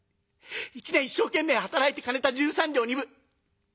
一年一生懸命働いてためた十三両二分。